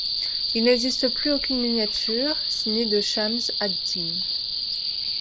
Il n'existe plus aucune miniature signée de Chams ad-Din.